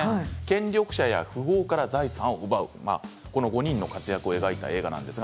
権力者や富豪から財産を奪う５人の活躍を描いた映画です。